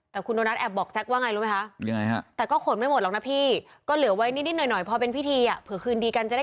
แต่คุณโดนัสแอบบอกแซ็คว่าไงรู้ไหมคะ